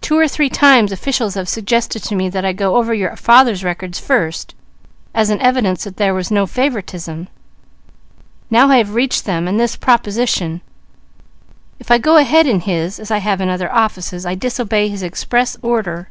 Two or three times officials have suggested to me that I go over your father's records first, as an evidence that there was no favouritism; now I have reached them, and this proposition: if I go ahead in his, as I have in other offices, I disobey his express order.